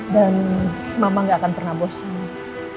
dan mama gak akan pernah bosan